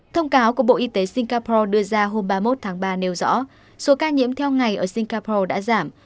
thông cáo của bộ y tế singapore đưa ra hôm ba mươi một tháng ba nêu rõ số ca nhiễm theo ngày ở singapore đã giảm